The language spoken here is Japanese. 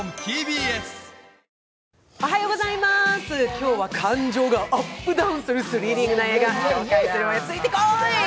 今日は感情がアップダウンするスリリングな映画を紹介するわよ、ついてこーい！